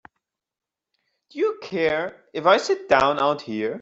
Do you care if I sit down out here?